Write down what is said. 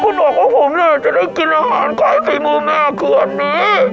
คุณบอกว่าผมเนี่ยจะได้กินอาหารคล้ายใส่มือแม่คืออันนี้